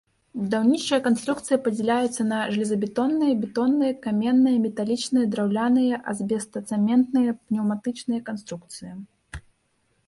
Будаўнічыя канструкцыі падзяляюцца на жалезабетонныя, бетонныя, каменныя, металічныя, драўляныя, азбестацэментныя, пнеўматычныя канструкцыі.